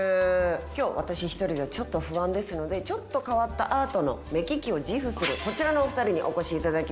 今日私一人ではちょっと不安ですのでちょっと変わったアートの目利きを自負するこちらのお二人にお越し頂きました。